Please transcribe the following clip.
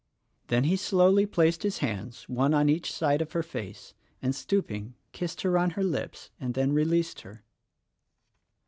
Then he slowly placed his hands one on each side of her face and stooping kissed her on her lips, and then released her.